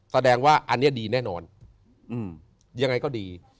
แสดงว่าอันนี้ดีแน่นอนยังไงก็ดี